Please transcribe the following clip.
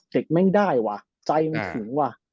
เด็กแม่งได้ว่าใจมันถิงว่า